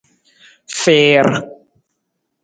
Fiir.